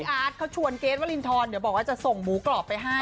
อาร์ตเขาชวนเกรทวรินทรเดี๋ยวบอกว่าจะส่งหมูกรอบไปให้